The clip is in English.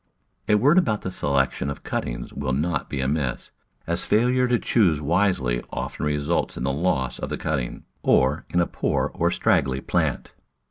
A word about the selection of cuttings will not be amiss, as failure to choose wisely often results in the loss of the cutting, or in a poor or straggly plant.